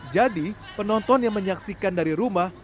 jadi penonton yang menyaksikan dari rumah